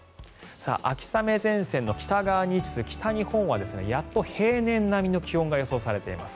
秋雨前線の北側に位置する北日本はやっと平年並みの気温が予想されています。